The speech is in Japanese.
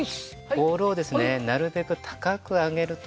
ボールをですねなるべく高く上げると。